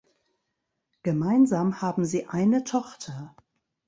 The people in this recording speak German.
Gemeinsam haben sie eine Tochter.